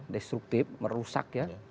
destruktif merusak ya